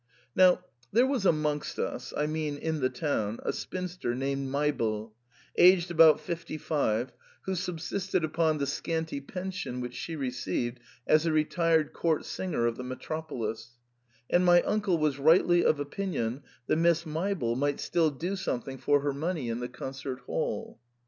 Now there was amongst us (I mean in the town) a spinster named Meibel, aged about fifty five, who subsisted upon the scanty pension which she received as a retired court singer of the metropolis, and my uncle was rightly of opinion that Miss Meibel might still do something for her money in the concert hall.